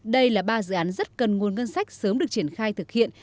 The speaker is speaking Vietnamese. đây là ba dự án rất cần nguồn ngân sách sớm được triển khai thực hiện